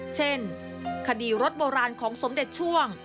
เช่นคดีรถโบราณของสมเด็จช่วง